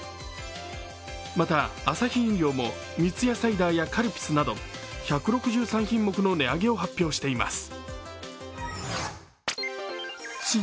またアサヒ飲料も三ツ矢サイダーやカルピスなど１６３品目の値上げを発表しています